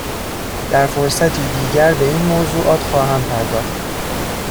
در فرصتی دیگر به این موضوعات خواهم پرداخت